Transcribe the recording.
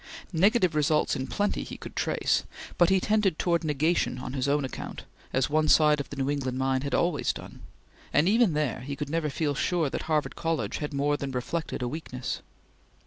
Negative results in plenty he could trace, but he tended towards negation on his own account, as one side of the New England mind had always done, and even there he could never feel sure that Harvard College had more than reflected a weakness.